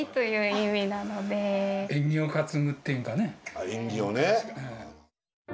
あっ縁起をね。